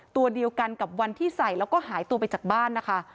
ตัวเดียวกันกับวันที่ใส่แล้วก็หายตัวไปจากบ้านนะคะ